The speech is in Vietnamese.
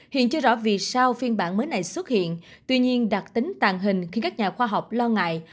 hiện chưa rõ vì sao phiên bản mới này xuất hiện tuy nhiên đặc tính tàn hình khi các nhà khoa học lo ngại